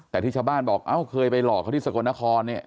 แต่ที่ชาวบ้านบอกเอ้าเคยไปหลอกเขาที่สกลนครเนี่ย